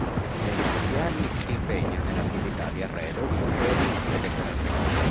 Negli stessi anni si impegna nell’attività di arredo di interni e decorazione.